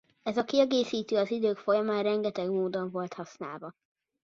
Ez a kiegészítő az idők folyamán rengeteg módon volt használva.